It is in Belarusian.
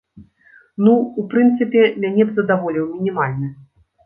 Ну, у прынцыпе, мяне б задаволіў мінімальны.